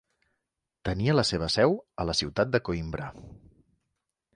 Tenia la seva seu a la ciutat de Coïmbra.